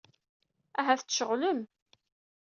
Ahat tceɣlem.